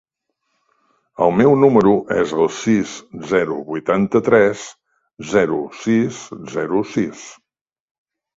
El meu número es el sis, zero, vuitanta-tres, zero, sis, zero, sis.